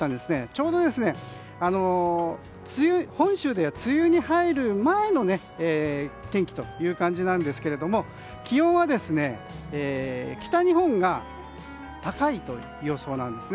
ちょうど本州では梅雨に入る前の天気という感じなんですけど気温は北日本が高いという予想なんです。